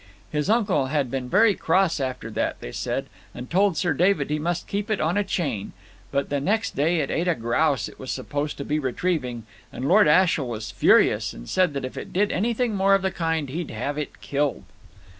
His uncle had been very cross about that, they said, and told Sir David he must keep it on a chain; but the next day it ate a grouse it was supposed to be retrieving, and Lord Ashiel was furious, and said that if it did anything more of the kind he'd have it killed.